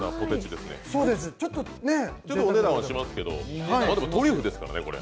ちょっとお値段はしますがトリュフですからね。